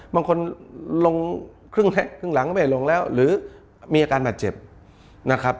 บางคนลงครึ่งหลังก็ไม่ลงแล้วหรือมีอาการบาดเจ็บนะครับ